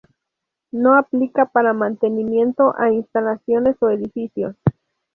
No aplica para mantenimiento a instalaciones o edificios.